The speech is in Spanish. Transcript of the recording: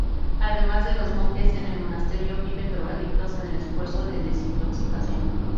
Además de los monjes, en el monasterio viven drogadictos en el esfuerzo de desintoxicación.